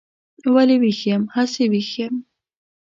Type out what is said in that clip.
ولې ویښ یم؟ هسې ویښ یم.